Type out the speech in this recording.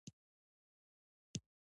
افغانستان د وادي له پلوه متنوع دی.